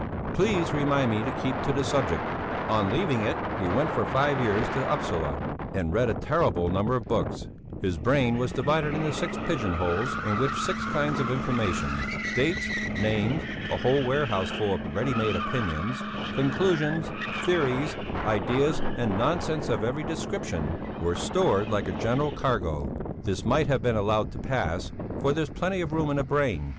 Please remind me to keep to the subject! On leaving it he went for five years to Upsala and read a terrible number of books; his brain was divided into six pigeon holes in which six kinds of information, dates, names, a whole warehouseful of ready made opinions, conclusions, theories, ideas and nonsense of every description, were stored like a general cargo. This might have been allowed to pass, for there's plenty of room in a brain.